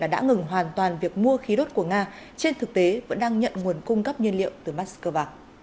đã ngừng hoàn toàn việc mua khí đốt của nga trên thực tế vẫn đang nhận nguồn cung cấp nhiên liệu từ moscow